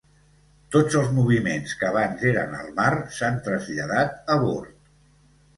Tots els moviments que abans eren al mar s'han traslladat a bord.